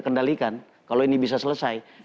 kendalikan kalau ini bisa selesai